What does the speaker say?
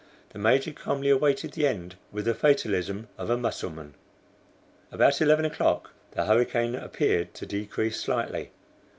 The Major calmly awaited the end with the fatalism of a Mussulman. About eleven o'clock, the hurricane appeared to decrease slightly.